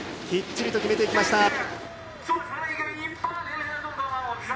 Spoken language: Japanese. きっちりと決めていきました。